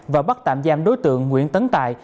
và bắt tạm giam đối tượng nguyễn tấn tài